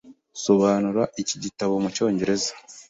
Sobanura iki gitabo mucyongereza.